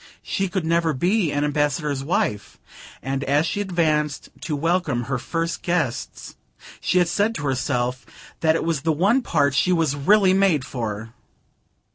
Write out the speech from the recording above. She could never be an Ambassador's wife; and as she advanced to welcome her first guests she said to herself that it was the one part she was really made for.